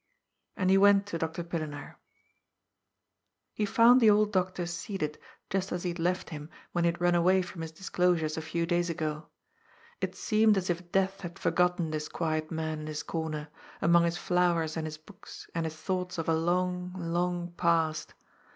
And he went to Dr. Pillenaar. He found the old doctor seated, just as he had left him, when he had run away from his disclosures a few days ago. It seemed as if Death had forgotten this quiet man in his comer, among his flowers and his books and his thoughts of a long, long past.